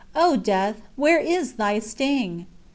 O death, where is thy sting?"